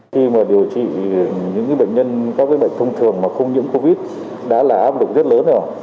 khi mà điều trị những bệnh nhân có cái bệnh thông thường mà không nhiễm covid đã là áp lực rất lớn rồi